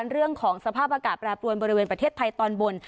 เรื่องของสภาพอากาศแปรปรวนบริเวณประเทศไทยตอนบน